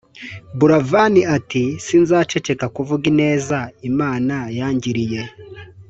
Buravani ati "Sinzaceceka kuvuga ineza (Imana) yangiriye"